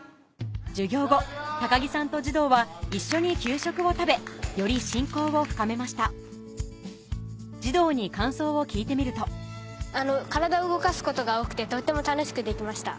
授業後木さんと児童は一緒に給食を食べより親交を深めました児童に感想を聞いてみると体動かすことが多くてとっても楽しくできました。